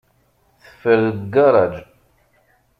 Teffer deg ugaṛaj.